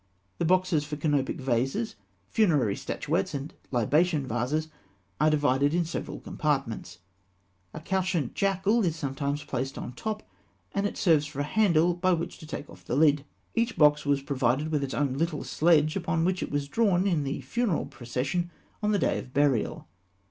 The boxes for canopic vases, funerary statuettes, and libation vases, are divided in several compartments. A couchant jackal is sometimes placed on the top, and serves for a handle by which to take off the lid. Each box was provided with its own little sledge, upon which it was drawn in the funeral procession on the day of burial.